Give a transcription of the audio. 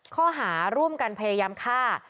ข้อหาร่วมกันพยายามฆ่า